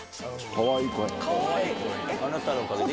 かわいい。